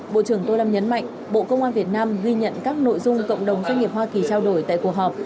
bộ trưởng tô lâm nhấn mạnh bộ công an việt nam ghi nhận các nội dung cộng đồng doanh nghiệp hoa kỳ trao đổi tại cuộc họp